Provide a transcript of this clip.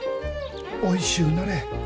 おいしゅうなれ。